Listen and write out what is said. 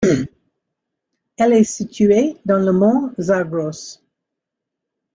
Elle est située dans les Monts Zagros.